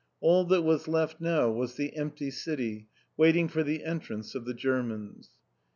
All that was left now was the empty city, waiting for the entrance of the Germans.